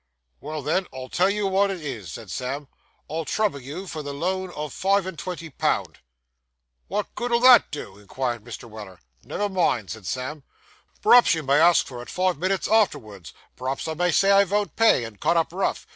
'Well, then, I'll tell you wot it is,' said Sam, 'I'll trouble you for the loan of five and twenty pound.' 'Wot good'll that do?' inquired Mr. Weller. 'Never mind,' replied Sam. 'P'raps you may ask for it five minits arterwards; p'raps I may say I von't pay, and cut up rough.